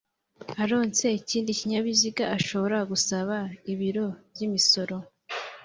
aronse ikindi kinyabiziga ashobora gusaba ibiro by'imisoro